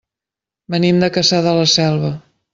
Venim de Cassà de la Selva.